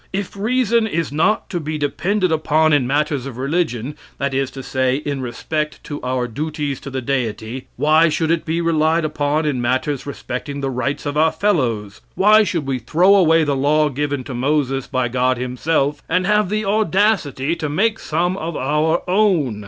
If reason is not to be depended upon in matters of religion, that is to say, in respect to our duties to the Deity, why should it be relied upon in matters respecting the rights of our fellows? Why should we throw away the law given to Moses by God Himself, and have the audacity to make some of our own?